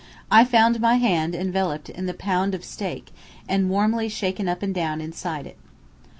I found my hand enveloped in the pound of steak, and warmly shaken up and down inside it.